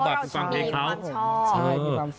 เพราะว่าเราช่องเองมากชอบใช่มีความชอบ